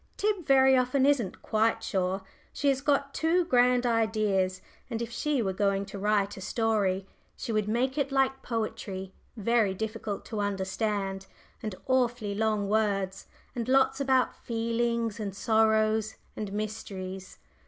Tib very often isn't quite sure. She has got too grand ideas, and if she were going to write a story, she would make it like poetry, very difficult to understand, and awfully long words, and lots about feelings and sorrows and mysteries.